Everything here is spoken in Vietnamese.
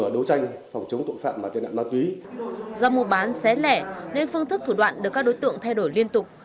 do mua bán xé lẻ nên phương thức thủ đoạn được các đối tượng thay đổi liên tục